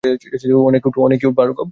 অনেক কিউট, ভার্গব!